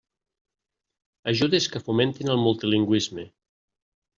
Ajudes que fomenten el multilingüisme.